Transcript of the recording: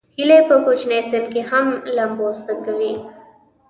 هیلۍ په کوچني سن کې هم لامبو زده کوي